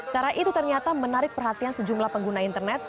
cara itu ternyata menarik perhatian sejumlah pengguna internet